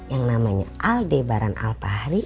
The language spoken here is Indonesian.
yang namanya aldebaran alpahari